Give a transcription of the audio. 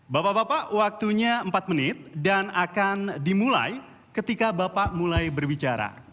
bapak bapak waktunya empat menit dan akan dimulai ketika bapak mulai berbicara